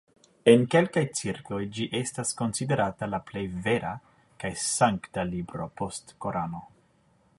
En kelkaj cirkloj ĝi estas konsiderata la plej vera kaj sankta libro post Korano.